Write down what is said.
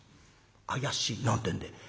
怪しい」なんてんで。